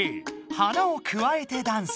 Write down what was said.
「花をくわえてダンス」